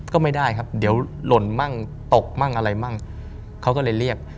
ก็ไม่ได้ครับเดี๋ยวหล่นมั่งตกมั่งอะไรมั่งเขาก็เลยเรียก